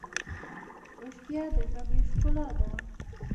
رښتیا د ژبې ښکلا ده.